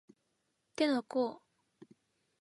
手の甲